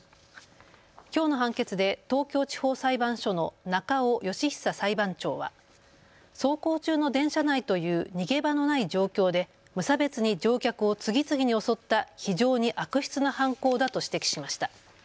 きょうの判決で東京地方裁判所の中尾佳久裁判長は走行中の電車内という逃げ場のない状況で無差別に乗客を次々に襲った非常に悪質な犯行だと指摘しました。